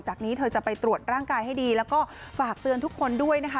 นี้เธอจะไปตรวจร่างกายให้ดีแล้วก็ฝากเตือนทุกคนด้วยนะคะ